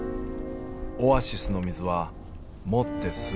オアシスの水はもって数年。